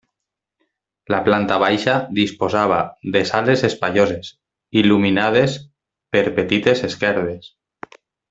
La planta baixa disposava de sales espaioses, il·luminades per petites esquerdes.